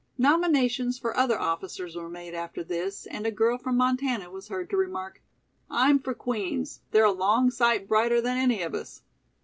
Nominations for other officers were made after this and a girl from Montana was heard to remark: "I'm for Queen's. They're a long sight brighter than any of us."